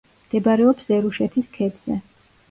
მდებარეობს ერუშეთის ქედზე.